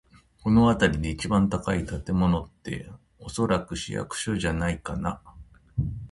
この辺りで一番高い建物って、おそらく市役所じゃないかな。